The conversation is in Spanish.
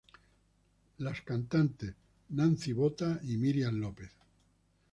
Las cantantes Nancy Botta, Miriam López.